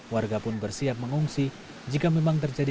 warga pun bersiap mengungsi jika memang terjadi